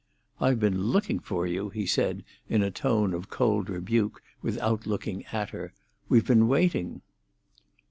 "I've been looking for you," he said, in a tone of cold rebuke, without looking at her. "We've been waiting."